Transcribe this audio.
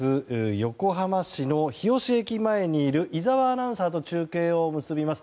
横浜市の日吉駅前にいる井澤アナウンサーと中継を結びます。